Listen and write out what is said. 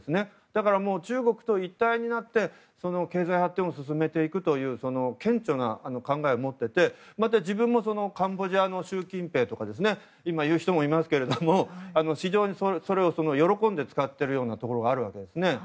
だから中国と一体になって経済発展を進めていくという顕著な考えを持っていて、また自分をカンボジアの習近平とか言う人もいますけども非常に喜んで使っているところがあるんです。